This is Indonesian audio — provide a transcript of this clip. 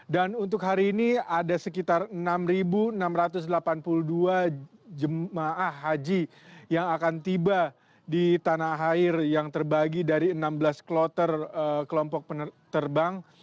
dan untuk hari ini ada sekitar enam enam ratus delapan puluh dua jemaah haji yang akan tiba di tanah air yang terbagi dari enam belas kloter kelompok penerbang